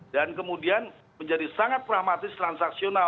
dan kemudian menjadi sangat pragmatis transaksional